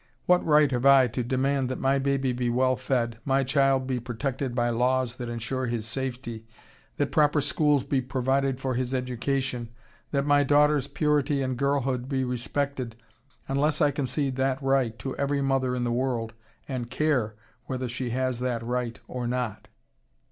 What right have I to demand that my baby be well fed, my child be protected by laws that ensure his safety, that proper schools be provided for his education, that my daughter's purity and girlhood be respected, unless I concede that right to every mother in the world and care whether she has that right or not?